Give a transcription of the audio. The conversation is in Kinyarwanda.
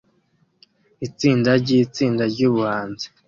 Itsinda ryitsinda ryubuhanzi